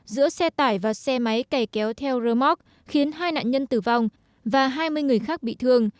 giữa xe tải và xe máy cày kéo theo rơ móc khiến hai nạn nhân tử vong và hai mươi người khác bị thương